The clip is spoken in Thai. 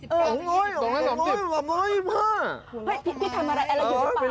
ไปเรียนตามเสียงนก